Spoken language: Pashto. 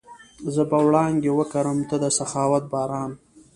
زه به وړانګې وکرم، ته د سخاوت باران